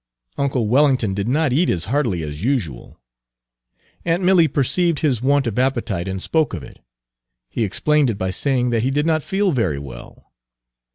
Uncle Wellington did not eat as heartily as usual. Aunt Milly perceived his want of appetite, and spoke of it. He explained it by saying that he did not feel very well.